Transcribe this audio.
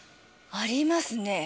ありますね